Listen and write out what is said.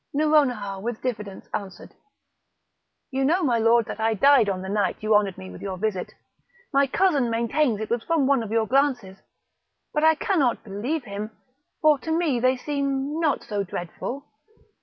Nouronihar with diffidence answered: "You know, my lord, that I died on the night you honoured me with your visit; my cousin maintains it was from one of your glances, but I cannot believe him; for to me they seem not so dreadful.